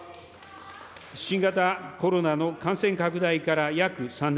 新型コロナの感染拡大から約３年。